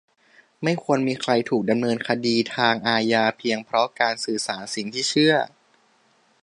- ไม่ควรมีใครถูกดำเนินคดีทางอาญาเพียงเพราะการสื่อสารสิ่งที่เชื่อ